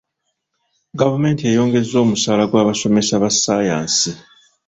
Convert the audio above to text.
Gavumenti eyongezza omusaala gw'abasomesa ba saayansi.